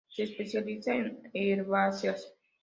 Se especializa en herbáceas.